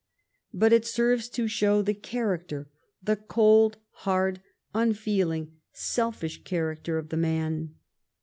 But it serves to show the character, the cold, hard, unfeeling, selfish character of the man.